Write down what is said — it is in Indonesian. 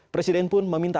presiden pun memimpin